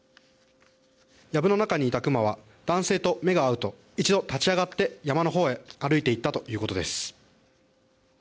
藪の中にいたクマは男性と目が合うと一度立ち上がって山の方へ歩いていったということです。